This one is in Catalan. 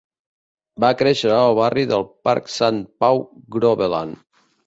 Va créixer al barri del Parc Sant Pau Groveland.